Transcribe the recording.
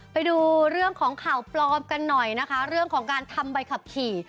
ไปดูเรื่องของข่าวปลอมกันหน่อยนะคะเรื่องของการทำใบขับขี่